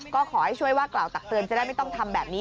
ก็ขอให้ช่วยว่ากล่าวตักเตือนจะได้ไม่ต้องทำแบบนี้